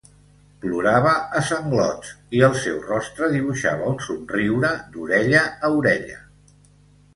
Plorava a sanglots i el seu rostre dibuixava un somriure d'orella a orella.